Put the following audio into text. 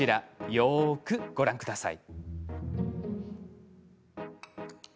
よくご覧ください。